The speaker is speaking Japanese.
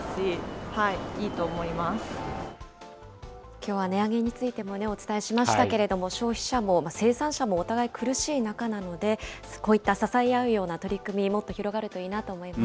きょうは値上げについてもお伝えしましたけれども、消費者も生産者もお互い苦しい中なので、こういった支え合うような取り組み、もっと広がるといいなと思います。